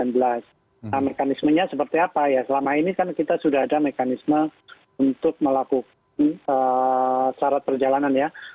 nah mekanismenya seperti apa ya selama ini kan kita sudah ada mekanisme untuk melakukan syarat perjalanan ya